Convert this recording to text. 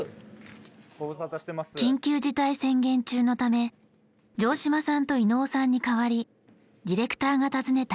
緊急事態宣言中のため城島さんと伊野尾さんに代わりディレクターが訪ねた。